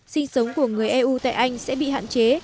sinh sống của người eu tại anh sẽ bị hạn chế